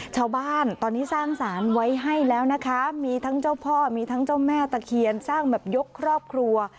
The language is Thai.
ชาวบ้านตอนนี้สร้างสารไว้ให้แล้วนะคะมีทั้งเจ้าพ่อมีทั้งเจ้าแม่ตะเคียนสร้างแบบยกครอบครัว